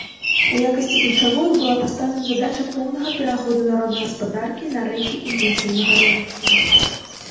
У якасці ключавой была пастаўлена задача поўнага пераходу народнай гаспадаркі на рэйкі інтэнсіўнага развіцця.